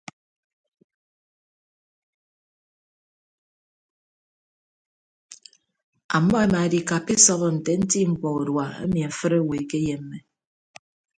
Ammọ emaedikappa esọbọ nte nti mkpọ urua emi afịt owo ekeyemme.